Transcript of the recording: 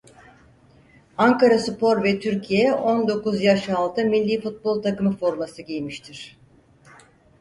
Ankaraspor ve Türkiye on dokuz yaş altı millî futbol takımı forması giymiştir.